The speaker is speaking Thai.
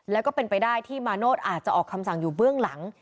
แล้วก็เป็นไปได้ที่มาโนธอาจจะออกคำสั่งอยู่เบื้องหลัง